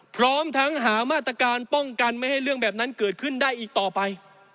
พร้อมทั้งหามาตรการป้องกันไม่ให้เรื่องแบบนั้นเกิดขึ้นได้อีกต่อไป